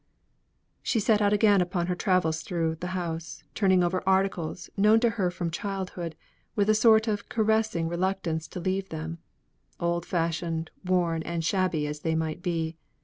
She set out again upon her travels through the house, turning over articles, known to her from her childhood, with a sort of caressing reluctance to leave them old fashioned, worn and shabby, as they might be.